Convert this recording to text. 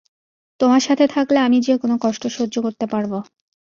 তোমার সাথে থাকলে আমি যে কোনো কষ্ট সহ্য করতে পারব।